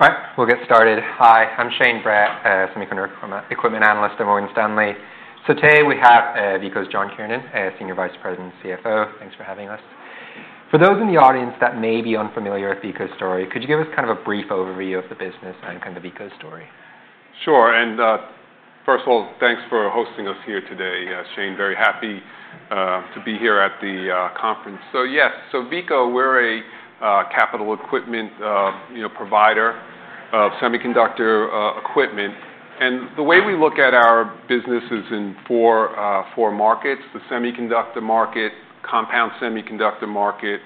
All right, we'll get started. Hi, I'm Shane Brett, a semiconductor equipment analyst at Morgan Stanley. Today we have Veeco's John Kiernan, Senior Vice President and CFO. Thanks for having us. For those in the audience that may be unfamiliar with Veeco's story, could you give us kind of a brief overview of the business and kind of Veeco's story? Sure. First of all, thanks for hosting us here today, Shane. Very happy to be here at the conference. Yes, Veeco, we're a capital equipment provider of semiconductor equipment. The way we look at our business is in four markets: the semiconductor market, compound semiconductor market,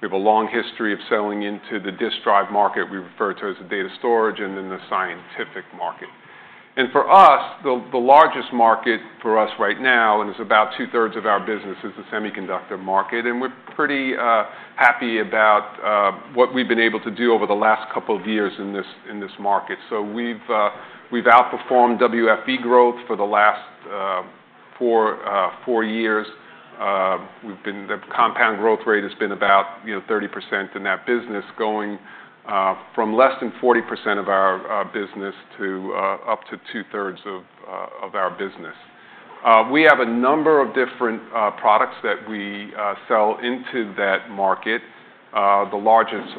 we have a long history of selling into the disk drive market, we refer to as data storage, and then the scientific market. For us, the largest market for us right now, and it's about two-thirds of our business, is the semiconductor market. We're pretty happy about what we've been able to do over the last couple of years in this market. We've outperformed WFE growth for the last four years. The compound growth rate has been about 30% in that business, going from less than 40% of our business to up to two-thirds of our business. We have a number of different products that we sell into that market. The largest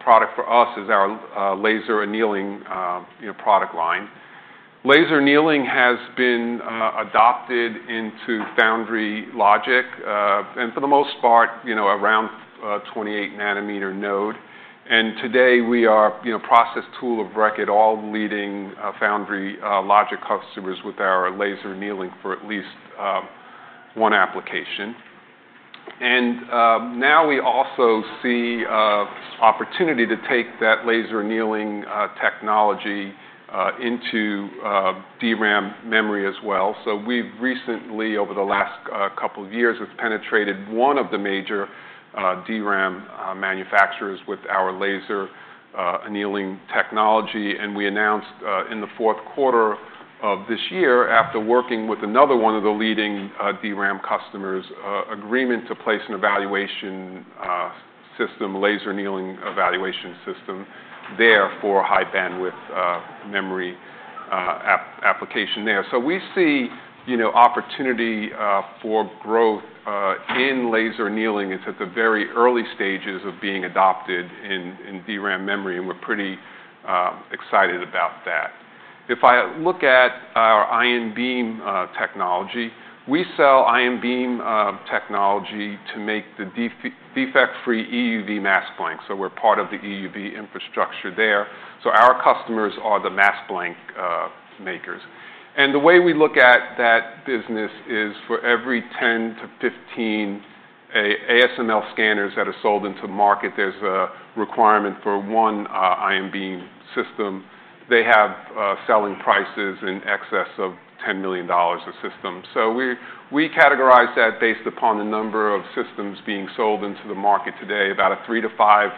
product for us is our laser annealing product line. Laser annealing has been adopted into FoundryLogic, and for the most part, around 28-nanometer node. Today we are process tool of record, all leading FoundryLogic customers with our laser annealing for at least one application. We also see an opportunity to take that laser annealing technology into DRAM memory as well. We have recently, over the last couple of years, penetrated one of the major DRAM manufacturers with our laser annealing technology. We announced in the fourth quarter of this year, after working with another one of the leading DRAM customers, an agreement to place an evaluation system, laser annealing evaluation system there for high bandwidth memory application there. We see opportunity for growth in laser annealing. It's at the very early stages of being adopted in DRAM memory, and we're pretty excited about that. If I look at our Ion Beam technology, we sell Ion Beam technology to make the defect-free EUV mask blanks. We are part of the EUV infrastructure there. Our customers are the mask blank makers. The way we look at that business is for every 10-15 ASML scanners that are sold into market, there is a requirement for one Ion Beam system. They have selling prices in excess of $10 million a system. We categorize that based upon the number of systems being sold into the market today, about a three-five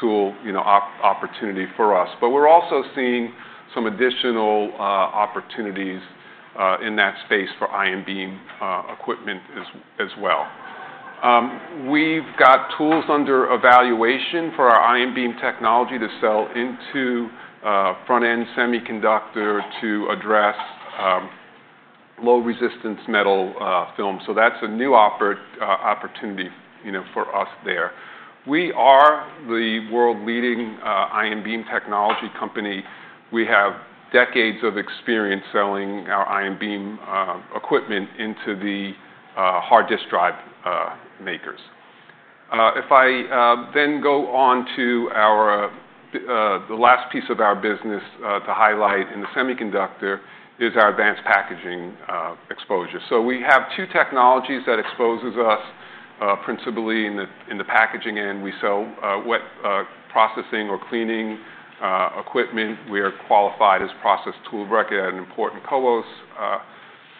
tool opportunity for us. We are also seeing some additional opportunities in that space for Ion Beam equipment as well. We've got tools under evaluation for our Ion beam technology to sell into front-end semiconductor to address low-resistance metal film. That's a new opportunity for us there. We are the world-leading Ion Beam technology company. We have decades of experience selling our Ion Beam equipment into the hard disk drive makers. If I then go on to the last piece of our business to highlight in the semiconductor is our advanced packaging exposure. We have two technologies that expose us principally in the packaging end. We sell wet processing or cleaning equipment. We are qualified as process tool of record at an important CoWos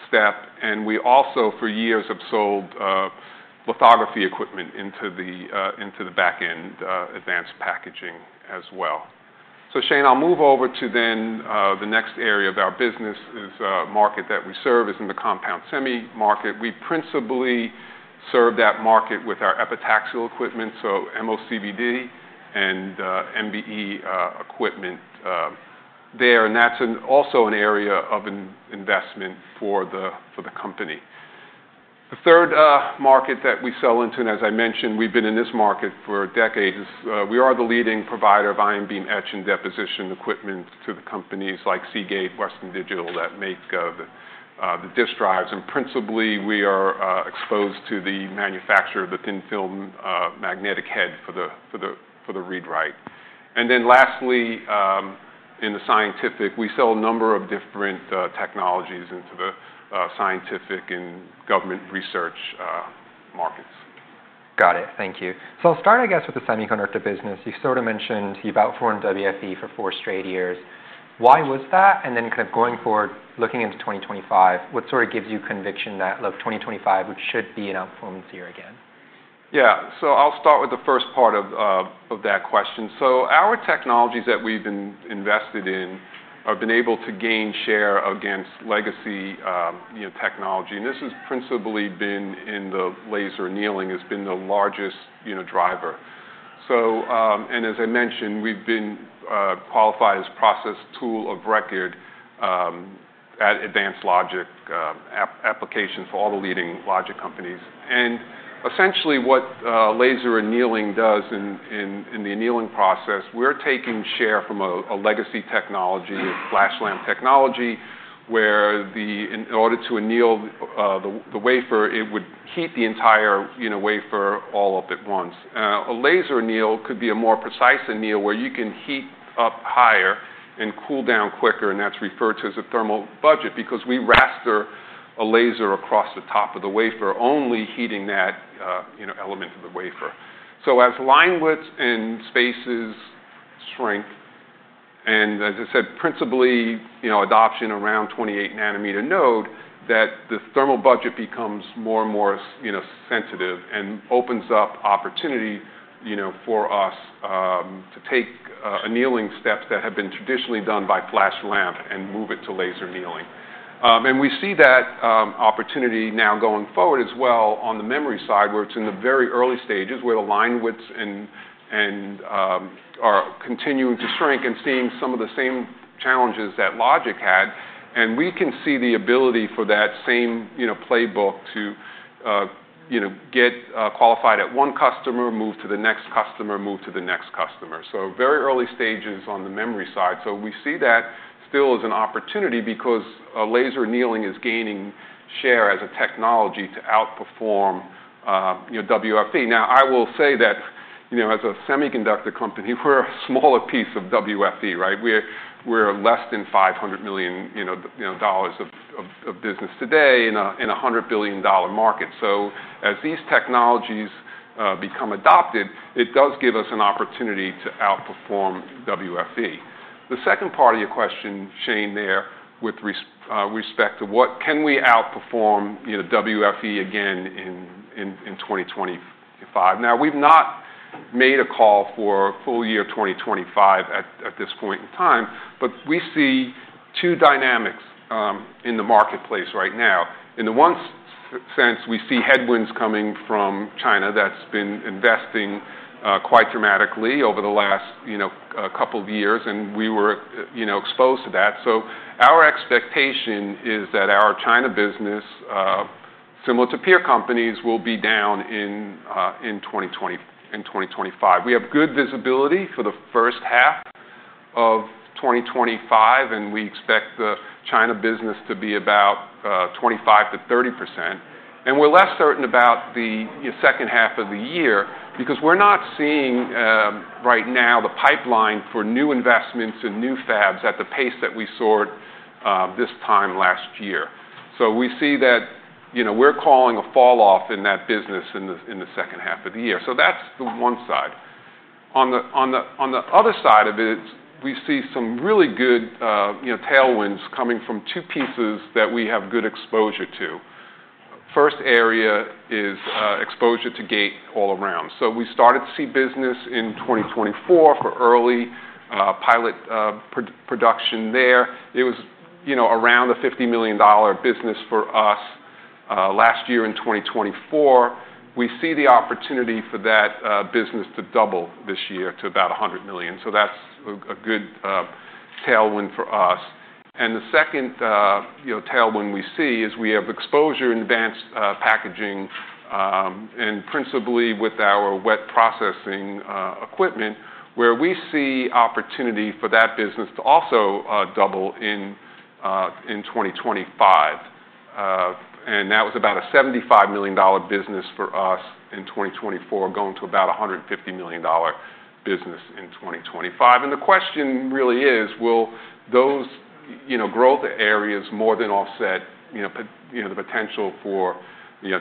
step. We also, for years, have sold lithography equipment into the back-end advanced packaging as well. Shane, I'll move over to then the next area of our business is a market that we serve is in the compound semi market. We principally serve that market with our epitaxial equipment, so MOCVD and MBE equipment there. That is also an area of investment for the company. The third market that we sell into, and as I mentioned, we have been in this market for decades, is we are the leading provider of Ion Beam etch and deposition equipment to companies like Seagate, Western Digital that make the disk drives. Principally, we are exposed to the manufacturer of the thin film magnetic head for the read-write. Lastly, in the scientific, we sell a number of different technologies into the scientific and government research markets. Got it. Thank you. I'll start, I guess, with the semiconductor business. You sort of mentioned you've outperformed WFE for four straight years. Why was that? Then kind of going forward, looking into 2025, what sort of gives you conviction that, look, 2025, we should be an outperformance year again? Yeah. I'll start with the first part of that question. Our technologies that we've been invested in have been able to gain share against legacy technology. This has principally been in the laser annealing, which has been the largest driver. As I mentioned, we've been qualified as process tool of record at advanced logic application for all the leading logic companies. Essentially, what laser annealing does in the annealing process, we're taking share from a legacy technology, flash lamp technology, where in order to anneal the wafer, it would heat the entire wafer all up at once. A laser anneal could be a more precise anneal where you can heat up higher and cool down quicker. That's referred to as a thermal budget because we raster a laser across the top of the wafer, only heating that element of the wafer. As line widths and spaces shrink, and as I said, principally adoption around 28-nanometer node, the thermal budget becomes more and more sensitive and opens up opportunity for us to take annealing steps that have been traditionally done by flash lamp and move it to laser annealing. We see that opportunity now going forward as well on the memory side, where it's in the very early stages where the line widths are continuing to shrink and seeing some of the same challenges that logic had. We can see the ability for that same playbook to get qualified at one customer, move to the next customer, move to the next customer. Very early stages on the memory side. We see that still as an opportunity because laser annealing is gaining share as a technology to outperform WFE. Now, I will say that as a semiconductor company, we're a smaller piece of WFE, right? We're less than $500 million of business today in a $100 billion market. As these technologies become adopted, it does give us an opportunity to outperform WFE. The second part of your question, Shane, there with respect to what can we outperform WFE again in 2025? Now, we've not made a call for full year 2025 at this point in time, but we see two dynamics in the marketplace right now. In the one sense, we see headwinds coming from China that's been investing quite dramatically over the last couple of years, and we were exposed to that. Our expectation is that our China business, similar to peer companies, will be down in 2025. We have good visibility for the first half of 2025, and we expect the China business to be about 25%-30%. We are less certain about the second half of the year because we are not seeing right now the pipeline for new investments and new fabs at the pace that we saw this time last year. We see that we are calling a falloff in that business in the second half of the year. That is the one side. On the other side of it, we see some really good tailwinds coming from two pieces that we have good exposure to. First area is exposure to Gate All-Around. We started to see business in 2024 for early pilot production there. It was around a $50 million business for us last year in 2024. We see the opportunity for that business to double this year to about $100 million. That's a good tailwind for us. The second tailwind we see is we have exposure in advanced packaging and principally with our wet processing equipment, where we see opportunity for that business to also double in 2025. That was about a $75 million business for us in 2024, going to about a $150 million business in 2025. The question really is, will those growth areas more than offset the potential for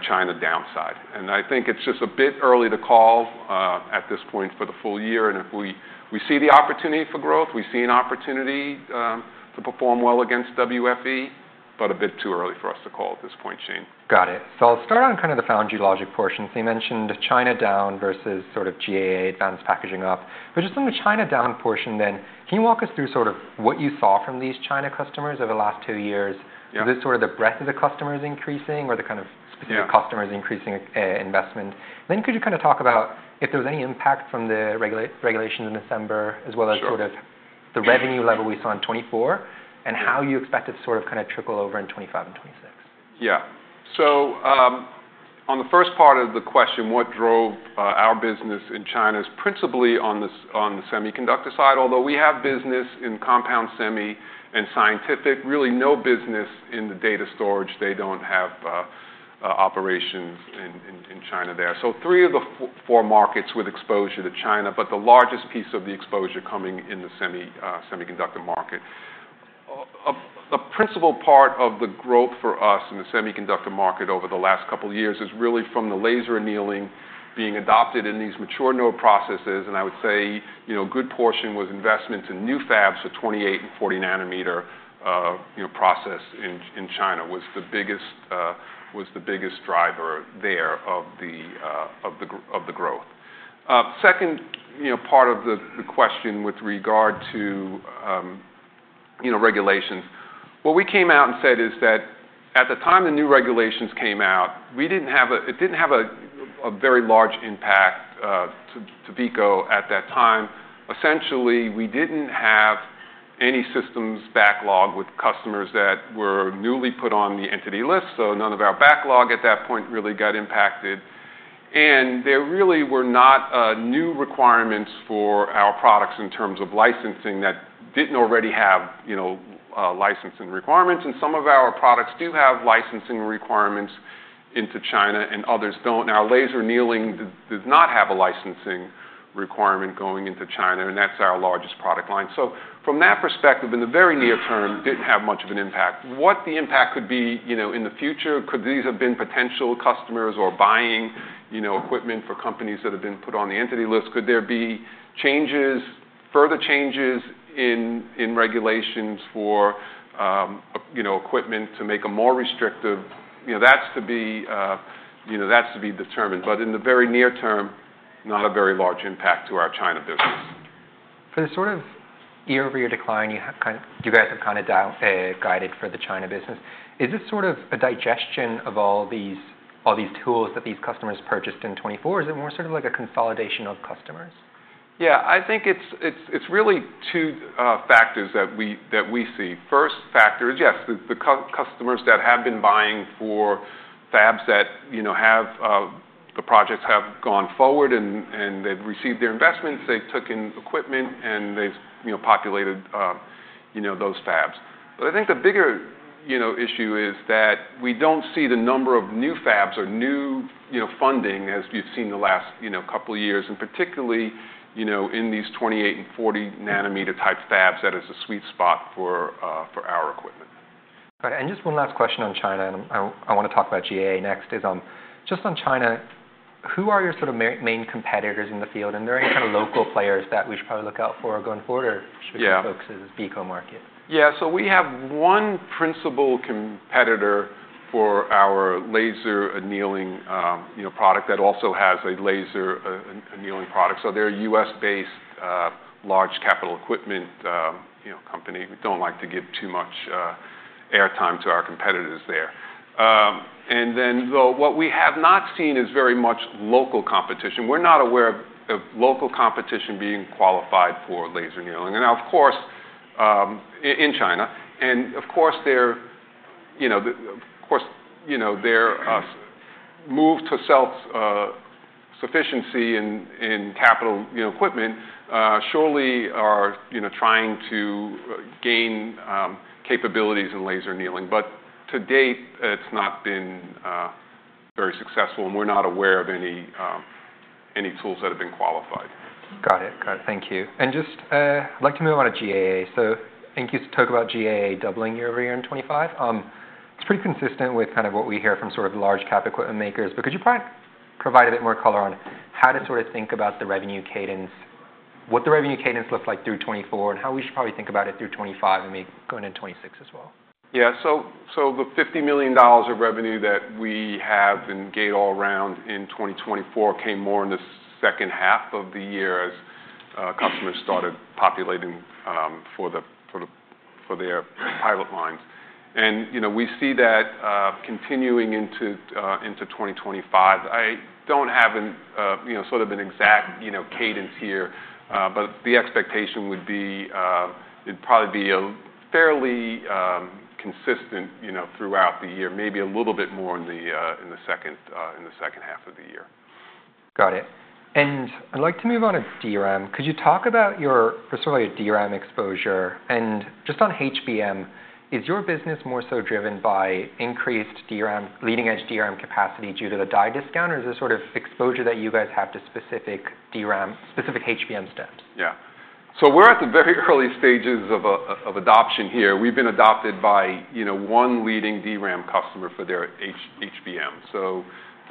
China downside? I think it's just a bit early to call at this point for the full year. If we see the opportunity for growth, we see an opportunity to perform well against WFE, but a bit too early for us to call at this point, Shane. Got it. I'll start on kind of the FoundryLogic portion. You mentioned China down versus sort of GAA advanced packaging up. Just on the China down portion, can you walk us through sort of what you saw from these China customers over the last two years? Is it sort of the breadth of the customers increasing or the kind of specific customers increasing investment? Could you talk about if there was any impact from the regulations in December, as well as sort of the revenue level we saw in 2024 and how you expect it to sort of kind of trickle over in 2025 and 2026? Yeah. On the first part of the question, what drove our business in China is principally on the semiconductor side, although we have business in compound semi and scientific, really no business in the data storage. They do not have operations in China there. Three of the four markets with exposure to China, but the largest piece of the exposure coming in the semiconductor market. A principal part of the growth for us in the semiconductor market over the last couple of years is really from the laser annealing being adopted in these mature node processes. I would say a good portion was investment in new fabs for 28 and 40-nanometer process in China was the biggest driver there of the growth. Second part of the question with regard to regulations, what we came out and said is that at the time the new regulations came out, it did not have a very large impact to Veeco at that time. Essentially, we did not have any systems backlog with customers that were newly put on the entity list. None of our backlog at that point really got impacted. There really were not new requirements for our products in terms of licensing that did not already have licensing requirements. Some of our products do have licensing requirements into China and others do not. Our laser annealing does not have a licensing requirement going into China, and that is our largest product line. From that perspective, in the very near term, it did not have much of an impact. What the impact could be in the future, could these have been potential customers or buying equipment for companies that have been put on the entity list? Could there be changes, further changes in regulations for equipment to make it more restrictive? That is to be determined. In the very near term, not a very large impact to our China business. For the sort of year-over-year decline, you guys have kind of guided for the China business. Is this sort of a digestion of all these tools that these customers purchased in 2024? Is it more sort of like a consolidation of customers? Yeah. I think it's really two factors that we see. First factor is, yes, the customers that have been buying for fabs that have the projects have gone forward and they've received their investments, they took in equipment and they've populated those fabs. I think the bigger issue is that we don't see the number of new fabs or new funding as we've seen the last couple of years, and particularly in these 28 and 40-nanometer type fabs that is a sweet spot for our equipment. Got it. Just one last question on China, and I want to talk about GAA next. Just on China, who are your sort of main competitors in the field? Are there any kind of local players that we should probably look out for going forward or should we focus on Veeco market? Yeah. We have one principal competitor for our laser annealing product that also has a laser annealing product. They're a U.S.-based large capital equipment company. We don't like to give too much airtime to our competitors there. What we have not seen is very much local competition. We're not aware of local competition being qualified for laser annealing. Now, of course, in China, and of course, their move to self-sufficiency in capital equipment surely are trying to gain capabilities in laser annealing. To date, it's not been very successful, and we're not aware of any tools that have been qualified. Got it. Got it. Thank you. I would like to move on to GAA. Thank you for talking about GAA doubling year-over-year in 2025. It is pretty consistent with what we hear from large cap equipment makers. Could you provide a bit more color on how to think about the revenue cadence, what the revenue cadence looks like through 2024, and how we should probably think about it through 2025 and maybe going into 2026 as well? Yeah. So the $50 million of revenue that we have in Gate All-Around in 2024 came more in the second half of the year as customers started populating for their pilot lines. We see that continuing into 2025. I do not have sort of an exact cadence here, but the expectation would be it would probably be fairly consistent throughout the year, maybe a little bit more in the second half of the year. Got it. I’d like to move on to DRAM. Could you talk about your sort of DRAM exposure? Just on HBM, is your business more so driven by increased leading-edge DRAM capacity due to the die discount, or is there sort of exposure that you guys have to specific HBM stems? Yeah. We are at the very early stages of adoption here. We have been adopted by one leading DRAM customer for their HBM.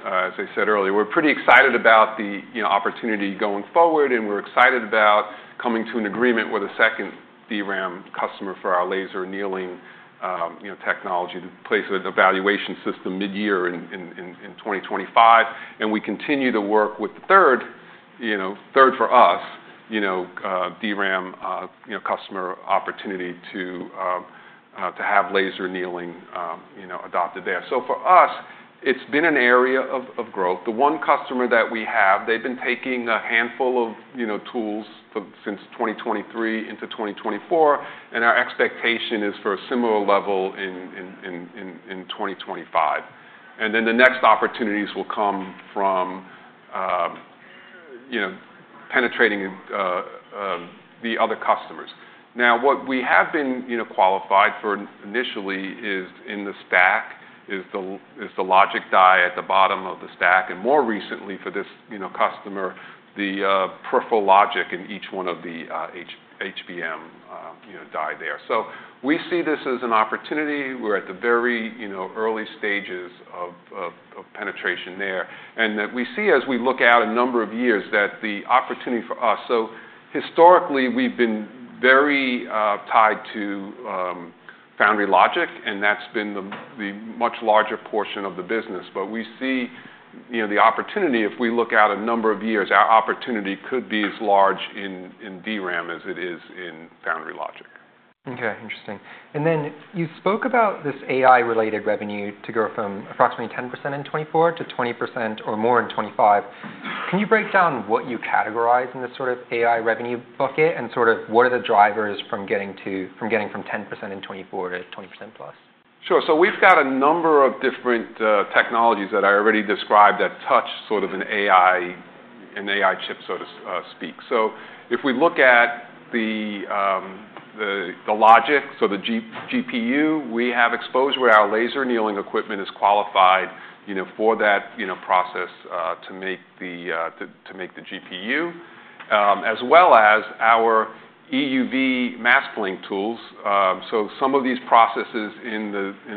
As I said earlier, we are pretty excited about the opportunity going forward, and we are excited about coming to an agreement with a second DRAM customer for our laser annealing technology to place an evaluation system mid-year in 2025. We continue to work with the third, third for us, DRAM customer opportunity to have laser annealing adopted there. For us, it has been an area of growth. The one customer that we have, they have been taking a handful of tools since 2023 into 2024, and our expectation is for a similar level in 2025. The next opportunities will come from penetrating the other customers. Now, what we have been qualified for initially is in the stack is the logic die at the bottom of the stack. More recently for this customer, the peripheral logic in each one of the HBM die there. We see this as an opportunity. We're at the very early stages of penetration there. We see as we look out a number of years that the opportunity for us, historically, we've been very tied to FoundryLogic, and that's been the much larger portion of the business. We see the opportunity, if we look out a number of years, our opportunity could be as large in DRAM as it is in FoundryLogic. Okay. Interesting. You spoke about this AI-related revenue to go from approximately 10% in 2024 to 20% or more in 2025. Can you break down what you categorize in this sort of AI revenue bucket and what are the drivers from getting from 10% in 2024 to 20% plus? Sure. So we've got a number of different technologies that I already described that touch sort of an AI chip, so to speak. If we look at the logic, so the GPU, we have exposure where our laser annealing equipment is qualified for that process to make the GPU, as well as our EUV masking tools. Some of these processes in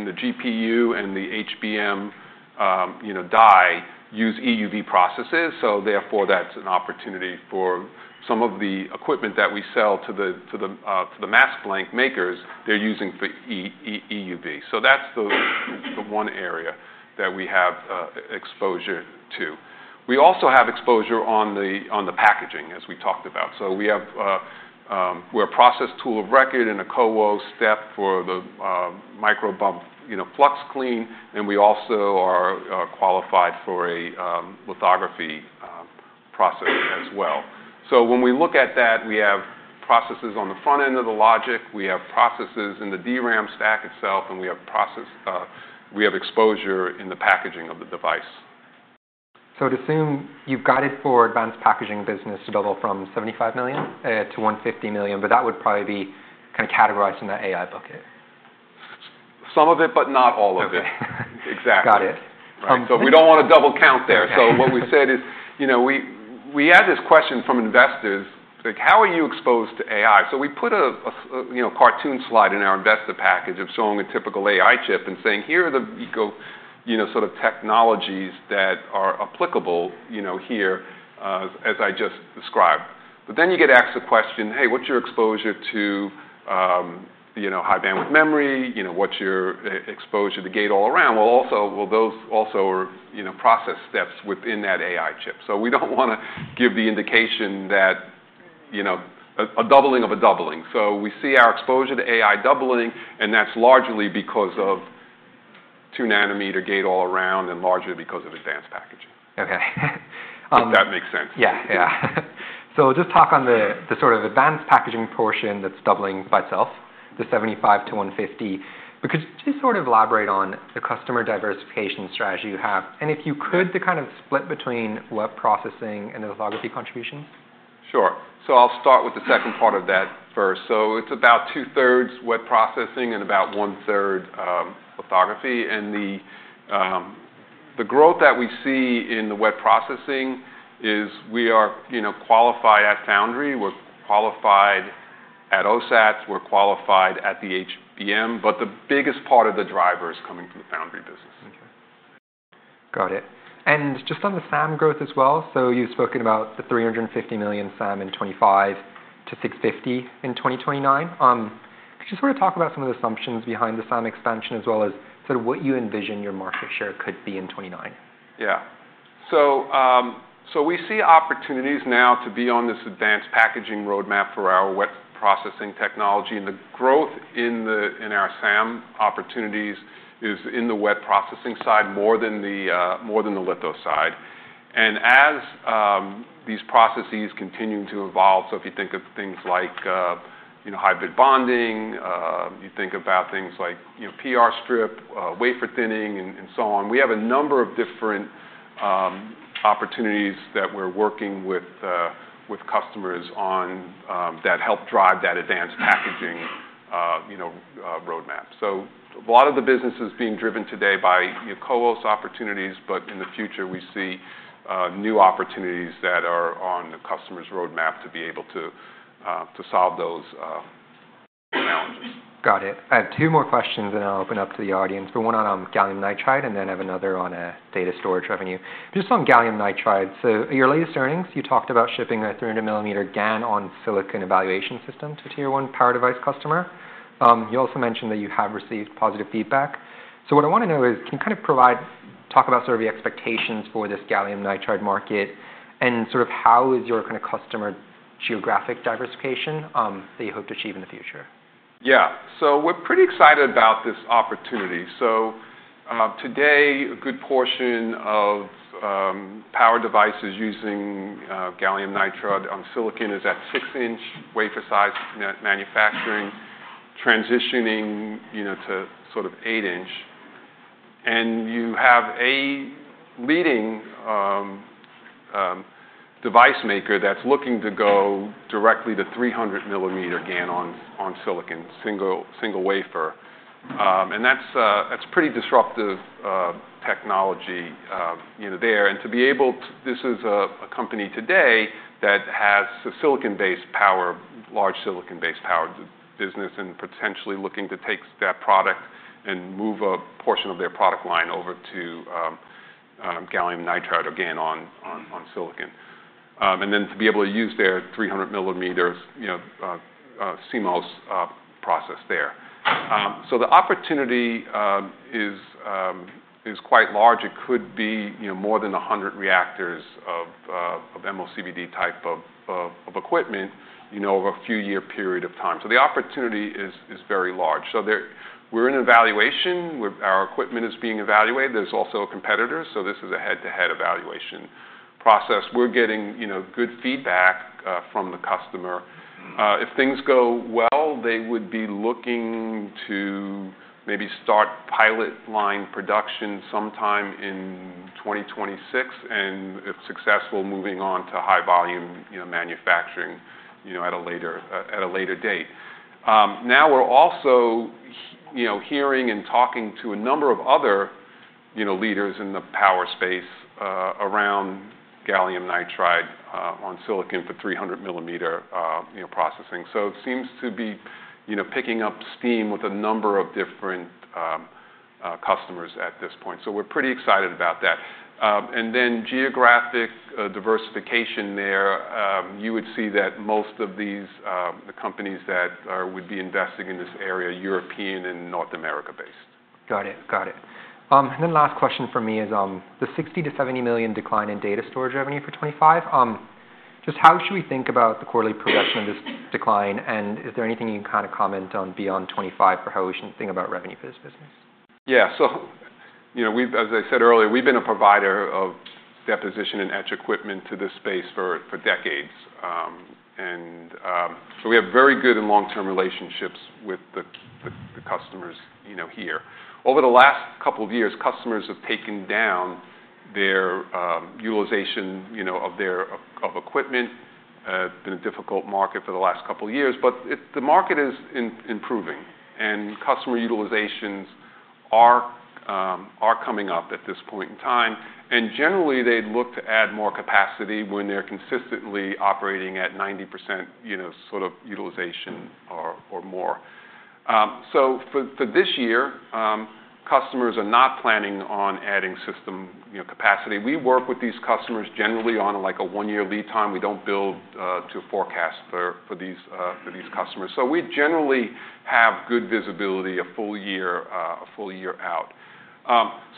the GPU and the HBM die use EUV processes. Therefore, that's an opportunity for some of the equipment that we sell to the mask blank makers, they're using for EUV. That's the one area that we have exposure to. We also have exposure on the packaging, as we talked about. We have a process tool of record and a CoWos step for the microbump flux clean, and we also are qualified for a lithography process as well. When we look at that, we have processes on the front end of the logic. We have processes in the DRAM stack itself, and we have exposure in the packaging of the device. To assume you've got it for advanced packaging business to double from $75 million to $150 million, but that would probably be kind of categorized in that AI bucket. Some of it, but not all of it. Exactly. Got it. We do not want to double count there. What we said is we had this question from investors, like, "How are you exposed to AI?" We put a cartoon slide in our investor package showing a typical AI chip and saying, "Here are the sort of technologies that are applicable here," as I just described. You get asked the question, "Hey, what is your exposure to high bandwidth memory? What is your exposure to Gate All-Around?" Those also are process steps within that AI chip. We do not want to give the indication that a doubling of a doubling. We see our exposure to AI doubling, and that is largely because of two-nanometer Gate All-Around and largely because of advanced packaging. Okay. If that makes sense. Yeah. Yeah. Just talk on the sort of advanced packaging portion that's doubling by itself, the $75 to $150. Could you just sort of elaborate on the customer diversification strategy you have? If you could, the kind of split between wet processing and the lithography contributions? Sure. I'll start with the second part of that first. It's about two-thirds wet processing and about one-third lithography. The growth that we see in the wet processing is we are qualified at Foundry. We're qualified at OSATs. We're qualified at the HBM, but the biggest part of the driver is coming from the Foundry business. Okay. Got it. Just on the SAM growth as well, you have spoken about the $350 million SAM in 2025 to $650 million in 2029. Could you sort of talk about some of the assumptions behind the SAM expansion as well as sort of what you envision your market share could be in 2029? Yeah. We see opportunities now to be on this advanced packaging roadmap for our wet processing technology. The growth in our SAM opportunities is in the wet processing side more than the litho side. As these processes continue to evolve, if you think of things like hybrid bonding, you think about things like PR strip, wafer thinning, and so on, we have a number of different opportunities that we're working with customers on that help drive that advanced packaging roadmap. A lot of the business is being driven today by CoWo's opportunities, but in the future, we see new opportunities that are on the customer's roadmap to be able to solve those challenges. Got it. I have two more questions, and I'll open up to the audience. One on gallium nitride and then another on data storage revenue. Just on gallium nitride, your latest earnings, you talked about shipping a 300-millimeter GaN on silicon evaluation system to a tier-one power device customer. You also mentioned that you have received positive feedback. What I want to know is, can you kind of talk about the expectations for this gallium nitride market and how is your customer geographic diversification that you hope to achieve in the future? Yeah. We're pretty excited about this opportunity. Today, a good portion of power devices using gallium nitride on silicon is at six-inch wafer size manufacturing, transitioning to sort of eight-inch. You have a leading device maker that's looking to go directly to 300-millimeter GaN on silicon, single wafer. That's pretty disruptive technology there. To be able to, this is a company today that has silicon-based power, large silicon-based power business, and potentially looking to take that product and move a portion of their product line over to gallium nitride or GaN on silicon. To be able to use their 300-millimeter CMOS process there. The opportunity is quite large. It could be more than 100 reactors of MOCVD type of equipment over a few-year period of time. The opportunity is very large. We're in evaluation. Our equipment is being evaluated. There's also a competitor, so this is a head-to-head evaluation process. We're getting good feedback from the customer. If things go well, they would be looking to maybe start pilot line production sometime in 2026, and if successful, moving on to high-volume manufacturing at a later date. Now, we're also hearing and talking to a number of other leaders in the power space around gallium nitride on silicon for 300 mm processing. It seems to be picking up steam with a number of different customers at this point. We're pretty excited about that. Geographic diversification there, you would see that most of the companies that would be investing in this area are European and North America-based. Got it. Got it. Last question for me is the $60-$70 million decline in data storage revenue for 2025. Just how should we think about the quarterly progression of this decline, and is there anything you can kind of comment on beyond 2025 for how we should think about revenue for this business? Yeah. As I said earlier, we've been a provider of deposition and etch equipment to this space for decades. We have very good and long-term relationships with the customers here. Over the last couple of years, customers have taken down their utilization of equipment. It's been a difficult market for the last couple of years, but the market is improving, and customer utilizations are coming up at this point in time. Generally, they'd look to add more capacity when they're consistently operating at 90% sort of utilization or more. For this year, customers are not planning on adding system capacity. We work with these customers generally on a one-year lead time. We don't build to a forecast for these customers. We generally have good visibility a full year out.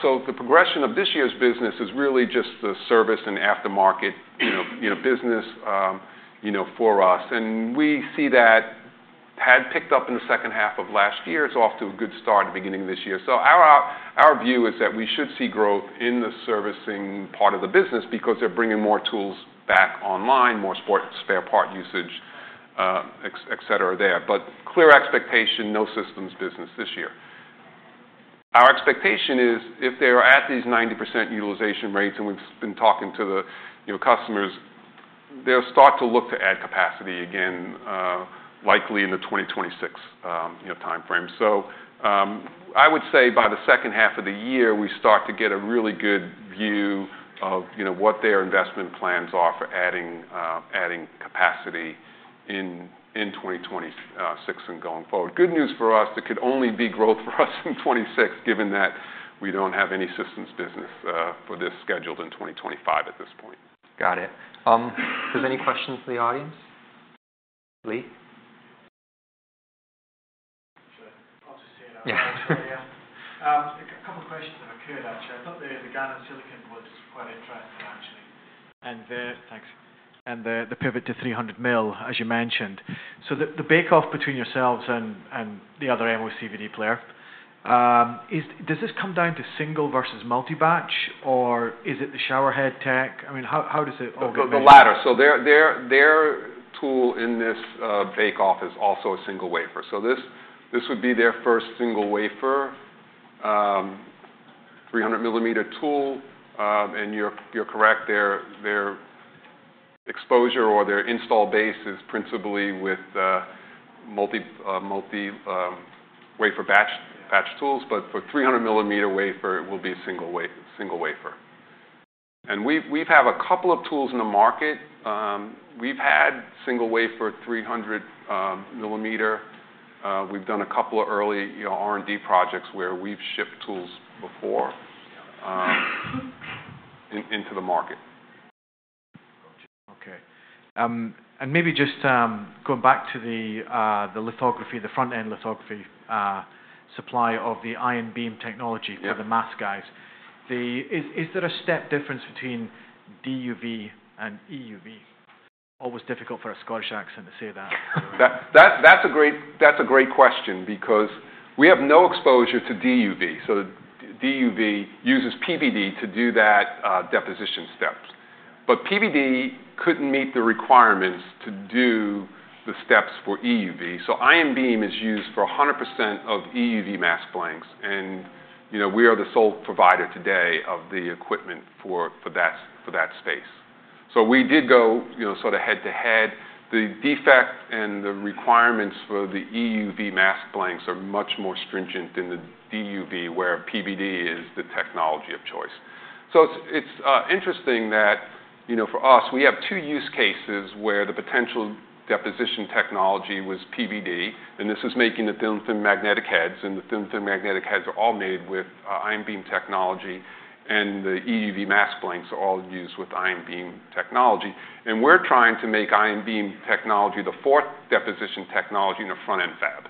The progression of this year's business is really just the service and aftermarket business for us. We see that had picked up in the second half of last year. It's off to a good start at the beginning of this year. Our view is that we should see growth in the servicing part of the business because they're bringing more tools back online, more spare part usage, et cetera there. Clear expectation, no systems business this year. Our expectation is if they're at these 90% utilization rates, and we've been talking to the customers, they'll start to look to add capacity again, likely in the 2026 timeframe. I would say by the second half of the year, we start to get a really good view of what their investment plans are for adding capacity in 2026 and going forward. Good news for us, there could only be growth for us in 2026, given that we don't have any systems business for this scheduled in 2025 at this point. Got it. Does any question for the audience? Lee? Sure. I'll just hear it out. Yeah. A couple of questions have occurred, actually. I thought the gallium nitride on silicon was quite interesting, actually. The pivot to 300 mil, as you mentioned. The bake-off between yourselves and the other MOCVD player, does this come down to single versus multi-batch, or is it the showerhead tech? I mean, how does it all go? The latter. Their tool in this bake-off is also a single wafer. This would be their first single wafer 300-millimeter tool. You are correct, their exposure or their install base is principally with multi-wafer batch tools, but for 300-millimeter wafer, it will be a single wafer. We have a couple of tools in the market. We have had single wafer 300-millimeter. We have done a couple of early R&D projects where we have shipped tools before into the market. Okay. Maybe just going back to the lithography, the front-end lithography supply of the ion beam technology for the mask guys, is there a step difference between DUV and EUV? Always difficult for a Scottish accent to say that. That's a great question because we have no exposure to DUV. DUV uses PVD to do that deposition step. PVD could not meet the requirements to do the steps for EUV. Ion beam is used for 100% of EUV mask blanks, and we are the sole provider today of the equipment for that space. We did go sort of head-to-head. The defect and the requirements for the EUV mask blanks are much more stringent than the DUV, where PVD is the technology of choice. It is interesting that for us, we have two use cases where the potential deposition technology was PVD, and this is making the thin-film magnetic heads. The thin-film magnetic heads are all made with ion beam technology, and the EUV mask blanks are all used with ion beam technology. We're trying to make Ion Beam technology the fourth deposition technology in a front-end fab.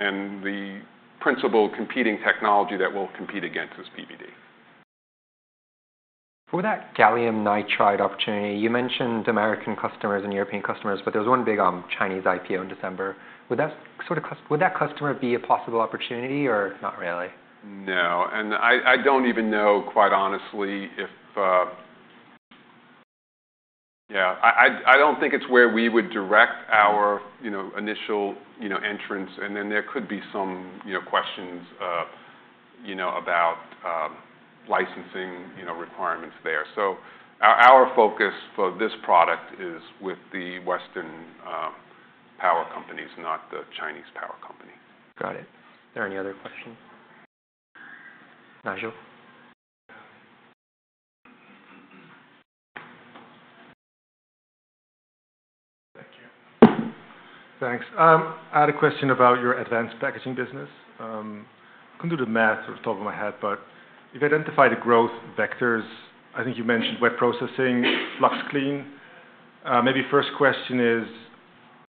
The principal competing technology that it will compete against is PVD. For that gallium nitride opportunity, you mentioned American customers and European customers, but there was one big Chinese IPO in December. Would that customer be a possible opportunity or not really? No. I do not even know, quite honestly, if yeah, I do not think it is where we would direct our initial entrance. There could be some questions about licensing requirements there. Our focus for this product is with the Western power companies, not the Chinese power company. Got it. Are there any other questions? Nigel? Thank you. Thanks. I had a question about your advanced packaging business. I couldn't do the math off the top of my head, but you've identified the growth vectors. I think you mentioned wet processing, flux clean. Maybe first question is,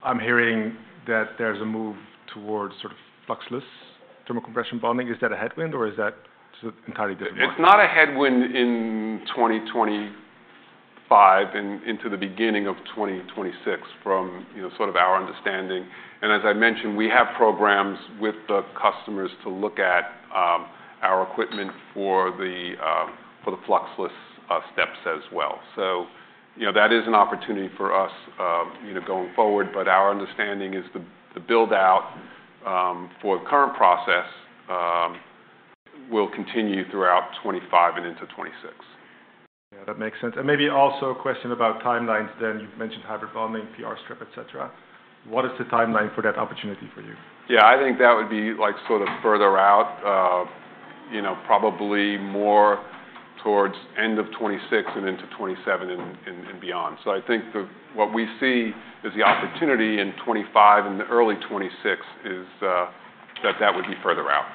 I'm hearing that there's a move towards sort of fluxless thermal compression bonding. Is that a headwind, or is that entirely different? It's not a headwind in 2025 and into the beginning of 2026 from sort of our understanding. As I mentioned, we have programs with the customers to look at our equipment for the fluxless steps as well. That is an opportunity for us going forward, but our understanding is the build-out for the current process will continue throughout 2025 and into 2026. Yeah, that makes sense. Maybe also a question about timelines then. You've mentioned hybrid bonding, PR strip, et cetera. What is the timeline for that opportunity for you? Yeah, I think that would be sort of further out, probably more towards end of 2026 and into 2027 and beyond. I think what we see is the opportunity in 2025 and early 2026 is that that would be further out.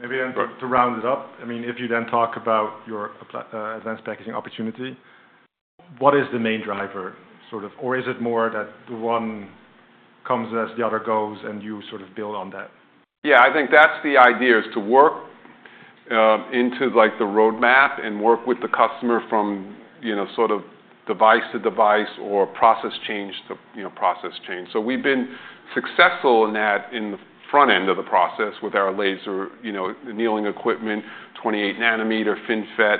Maybe then to round it up, I mean, if you then talk about your advanced packaging opportunity, what is the main driver, sort of, or is it more that the one comes as the other goes and you sort of build on that? Yeah, I think that's the idea is to work into the roadmap and work with the customer from sort of device to device or process change to process change. We've been successful in that in the front end of the process with our laser annealing equipment, 28-nanometer FinFET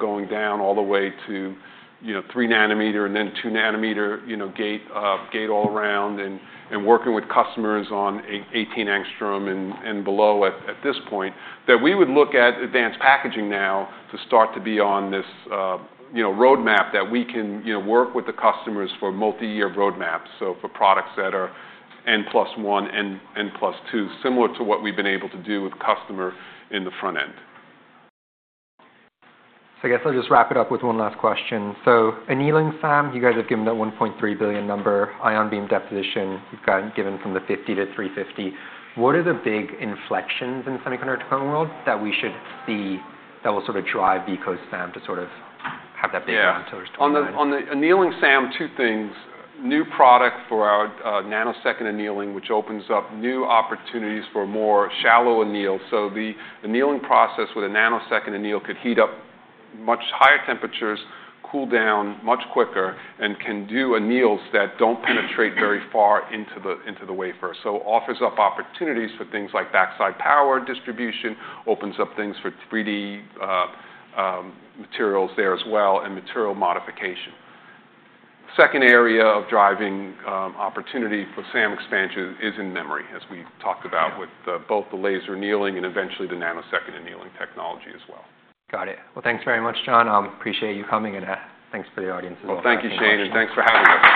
going down all the way to 3-nanometer and then 2-nanometer gate all around and working with customers on 18 angstrom and below at this point. We would look at advanced packaging now to start to be on this roadmap that we can work with the customers for multi-year roadmaps, for products that are N+1, N+2, similar to what we've been able to do with customer in the front end. I guess I'll just wrap it up with one last question. Annealing SAM, you guys have given that $1.3 billion number. Ion Beam deposition, you've given from the 50-350. What are the big inflections in the semiconductor company world that we should see that will sort of drive Veeco SAM to sort of have that bigger end tool? Yeah. On the annealing SAM, two things. New product for our nanosecond annealing, which opens up new opportunities for more shallow anneal. The annealing process with a nanosecond anneal could heat up much higher temperatures, cool down much quicker, and can do anneals that do not penetrate very far into the wafer. It offers up opportunities for things like backside power distribution, opens up things for 3D materials there as well, and material modification. Second area of driving opportunity for SAM expansion is in memory, as we talked about with both the laser annealing and eventually the nanosecond annealing technology as well. Got it. Thanks very much, John. Appreciate you coming, and thanks for the audience as well. Thank you, Shane, and thanks for having us.